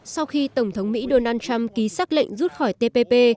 sau khi tổng thống mỹ donald trump ký xác lệnh rút khỏi tpp